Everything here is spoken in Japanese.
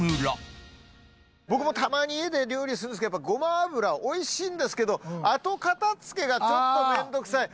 僕もたまに家で料理するんですけどやっぱごま油美味しいんですけど後片付けがちょっと面倒くさい。